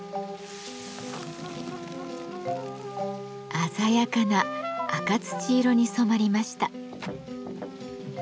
鮮やかな赤土色に染まりました。